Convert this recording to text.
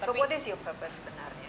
but what is your purpose sebenarnya